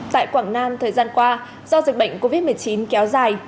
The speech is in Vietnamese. tại quảng nam thời gian qua do dịch bệnh covid một mươi chín kéo dài